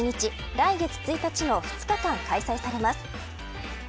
来月１日の２日間開催されます。